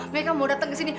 mereka mau datang ke sini